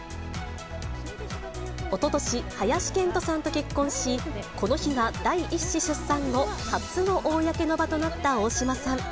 おととし、林遣都さんと結婚し、この日が第１子出産後、初の公の場となった大島さん。